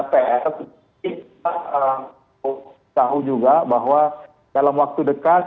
kita tahu juga bahwa dalam waktu dekat